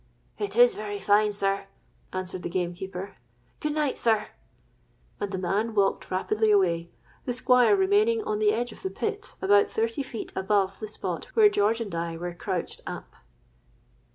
'—'It is very fine, sir,' answered the gamekeeper. 'Good night, sir;'—and the man walked rapidly away, the Squire remaining on the edge of the pit, about thirty feet above the spot where George and I were crouched up.